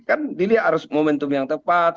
kan dilihat harus momentum yang tepat